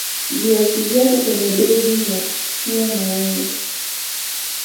viatu vyako kwenye begi na kuchukua na wewe